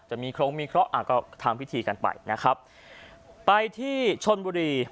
จะมีโครงมีเคราะห่าก็ทำพิธีกันไปนะครับไปที่ชนบุรี